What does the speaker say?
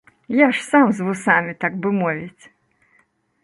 Я ж сам з вусамі, так бы мовіць!